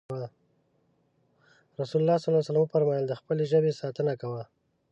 رسول الله ص وفرمايل د خپلې ژبې ساتنه کوه.